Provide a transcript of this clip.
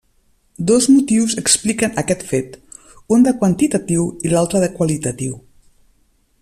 Dos motius expliquen aquest fet: un de quantitatiu i l'altre de qualitatiu.